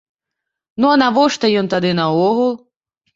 Ну а навошта ён тады наогул?